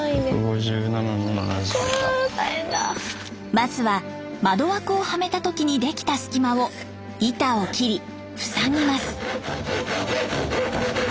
まずは窓枠をはめた時にできた隙間を板を切りふさぎます。